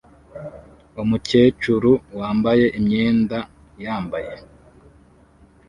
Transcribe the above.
Umukecuru wambaye imyenda yambaye